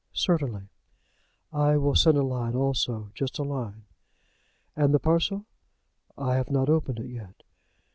"Certainly." "I will send a line also, just a line." "And the parcel?" "I have not opened it yet."